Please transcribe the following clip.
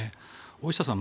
大下さん